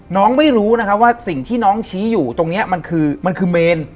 น้องไม่รู้นะครับว่าสิ่งที่น้องชี้อยู่ตรงเนี้ยมันคือเมน